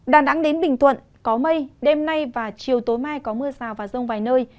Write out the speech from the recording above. đà nẵng đến bình thuận có mây đêm nay và chiều tối mai có mưa rào và rông vài nơi